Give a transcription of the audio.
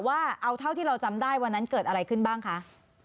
ว่าเอาเท่าที่เราจำได้วันนั้นเกิดอะไรขึ้นบ้างคะ